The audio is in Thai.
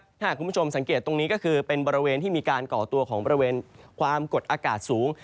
ถ้าหากคุณผู้ชมสังเกตตรงนี้ก็คือเป็นบริเวณที่มีการก่อตัวของบริเวณความกดอากาศสูง